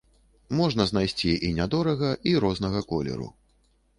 Можна знайсці і не дорага, і рознага колеру.